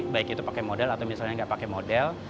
baik itu pakai modal atau misalnya nggak pakai model